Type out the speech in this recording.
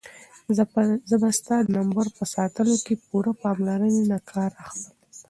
زه به ستا د نمبر په ساتلو کې د پوره پاملرنې نه کار اخلم.